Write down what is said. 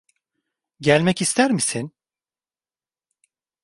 Gelmek ister misin?